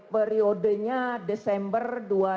periodenya desember dua ribu dua puluh